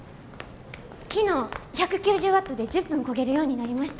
昨日１９０ワットで１０分こげるようになりました。